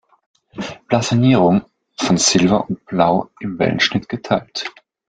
Blasonierung: „Von Silber und Blau im Wellenschnitt geteilt.